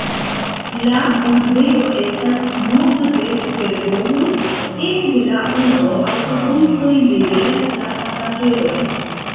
La urbego estas nodo de fervojoj, ene de la urbo aŭtobusoj liveras la pasaĝerojn.